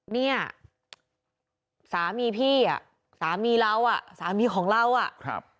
เนี่ยสามีพี่สามีเราสามีของเรา